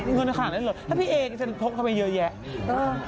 มีเงินขาดได้หรอถ้าพี่เอ๋จะทบเข้าไปเยอะแยะ